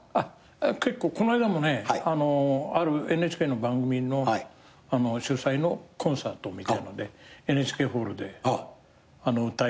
結構この間もねＮＨＫの番組の主催のコンサートみたいのでＮＨＫホールで歌いました。